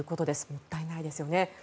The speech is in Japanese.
もったいないですよね。